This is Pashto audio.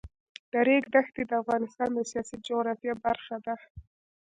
د ریګ دښتې د افغانستان د سیاسي جغرافیه برخه ده.